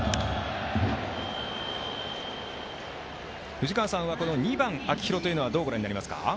藤川さんは２番、秋広というのはどうご覧になりますか？